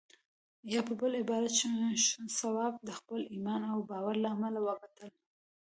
يا په بل عبارت شواب د خپل ايمان او باور له امله وګټل.